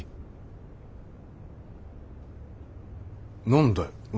何だよ。